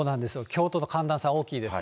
きょうとの寒暖差大きいです。